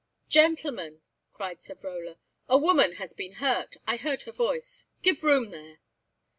"Gentlemen," cried Savrola, "a woman has been hurt; I heard her voice. Give room there!"